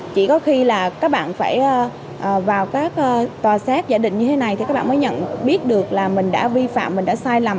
chỉ có khi là các bạn phải vào các tòa xét giải định như thế này thì các bạn mới nhận biết được là mình đã vi phạm mình đã sai lầm